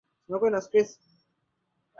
Hata akisema amechoka, anataka muachane